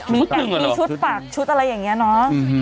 มีชุดปากชุดอะไรอย่างนี้น้อง